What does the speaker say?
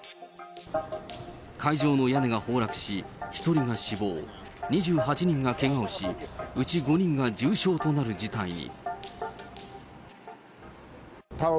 会場の屋根が崩落し、１人が死亡、２８人がけがをし、うち５人が重傷となる事態に。